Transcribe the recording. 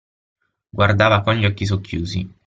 Guardava con gli occhi socchiusi.